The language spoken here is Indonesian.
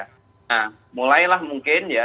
nah mulailah mungkin ya